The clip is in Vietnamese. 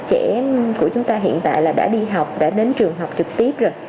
trẻ của chúng ta hiện tại là đã đi học đã đến trường học trực tiếp rồi